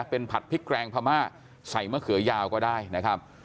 เป็นผัดพริกแกรงพม่าใส่มะเขือยาวก็ได้นะครับ